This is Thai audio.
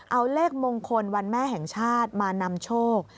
เอาเลขมงคลวันแม่แห่งชาติมานำโชค